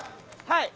はい。